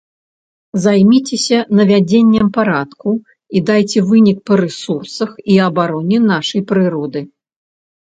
Займіцеся навядзеннем парадку і дайце вынік па рэсурсах і абароне нашай прыроды.